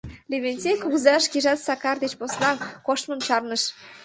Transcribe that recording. Левентей кугыза шкежат Сакар деч посна коштмым чарныш.